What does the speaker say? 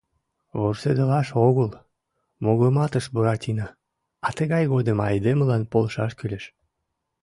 — Вурседылаш огыл, — мугыматыш Буратино, — а тыгай годым айдемылан полшаш кӱлеш...